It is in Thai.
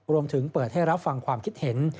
รวมถึงเปิดให้รับฟังความคิดเห็น